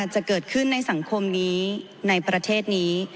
จะเกิดขึ้นในสังคมนี้ในประเทศนี้